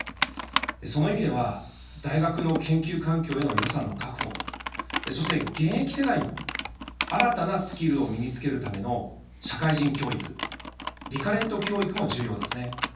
その意味では大学の研究環境への予算の確保、そして現役世代も新たなスキルを身につけるための社会人教育、リカレント教育も重要ですね。